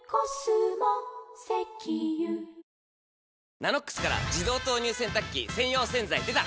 「ＮＡＮＯＸ」から自動投入洗濯機専用洗剤でた！